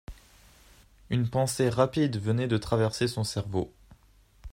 Une pensée rapide venait de traverser son cerveau.